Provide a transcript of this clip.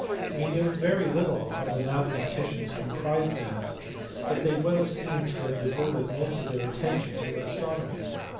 We know very little of the mathematicians comprised in it, but they would seem to have devoted most of their attention to astrcroray.